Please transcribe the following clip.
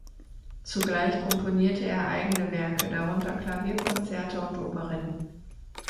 Zugleich komponierte er eigene Werke, darunter Klavierkonzerte und Operetten.